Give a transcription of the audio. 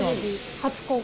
初公開！